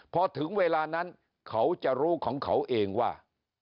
พอถึงเวลานั้นเขาจะรู้ของเขาเองว่า